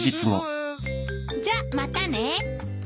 じゃまたね。